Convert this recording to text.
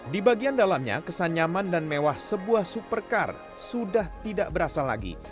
di bagian dalamnya kesan nyaman dan mewah sebuah supercar sudah tidak berasa lagi